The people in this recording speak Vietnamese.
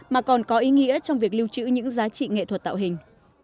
mà còn có ý nghĩa trong việc lưu trữ những giá trị nghệ thuật tạo hình